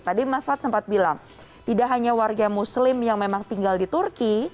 tadi mas fad sempat bilang tidak hanya warga muslim yang memang tinggal di turki